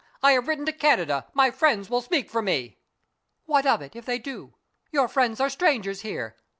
I have written to Canada. My friends will speak for me." "What of it, if they do? Your friends are strangers here.